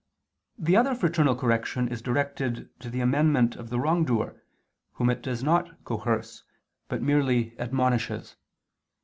The other fraternal correction is directed to the amendment of the wrongdoer, whom it does not coerce, but merely admonishes.